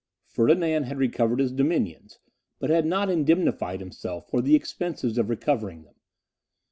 Ferdinand had regained his dominions, but had not indemnified himself for the expenses of recovering them.